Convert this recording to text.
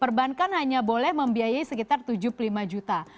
perbankan hanya boleh membiayai sekitar tujuh puluh lima juta